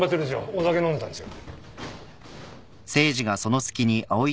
お酒飲んでたんですよ。